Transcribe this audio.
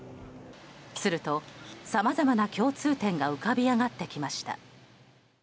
すると、さまざまな共通点が浮かび上がってきました。